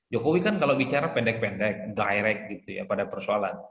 jokowi kan kalau bicara pendek pendek direct gitu ya pada persoalan